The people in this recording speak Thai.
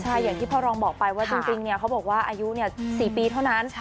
ใช่อย่างที่พ่อรองบอกไปว่าจริงเขาบอกว่าอายุ๔ปีเท่านั้น